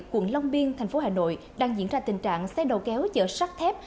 quận long biên thành phố hà nội đang diễn ra tình trạng xe đầu kéo chở sắt thép